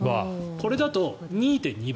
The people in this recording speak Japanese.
これだと２．２倍。